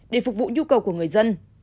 để phục vụ nhu cầu của người dân